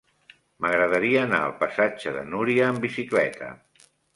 M'agradaria anar al passatge de Núria amb bicicleta.